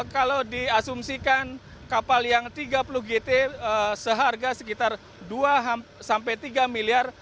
kalau diasumsikan kapal yang tiga puluh gt seharga sekitar dua sampai tiga miliar